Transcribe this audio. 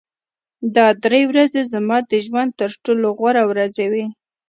دا درې ورځې زما د ژوند تر ټولو غوره ورځې وې